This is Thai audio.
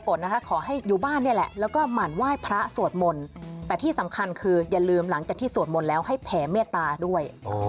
ขอให้อยู่บ้านนี่แหละแล้วก็หมั่นไหว้พระสวดมนต์แต่ที่สำคัญคืออย่าลืมหลังจากที่สวดมนต์แล้วให้แผ่เมตตาด้วย